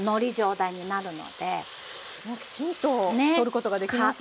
きちんととることができますね。